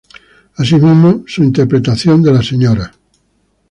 Asimismo, su interpretación de la "Sra.